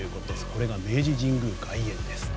これが明治神宮外苑です。